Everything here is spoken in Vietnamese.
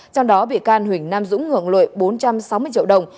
các bị can huỳnh nam dũng hưởng lợi bốn trăm sáu mươi triệu đồng